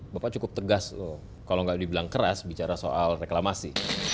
bapak cukup tegas loh kalau nggak dibilang keras bicara soal reklamasi